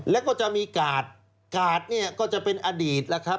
แล้วก็จะมีกาดกาดเนี่ยก็จะเป็นอดีตแล้วครับ